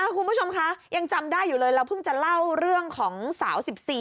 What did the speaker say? คุณผู้ชมคะยังจำได้อยู่เลยเราเพิ่งจะเล่าเรื่องของสาว๑๔